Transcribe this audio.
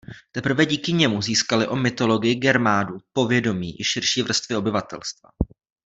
Teprve díky němu získaly o mytologii Germánů povědomí i širší vrstvy obyvatelstva.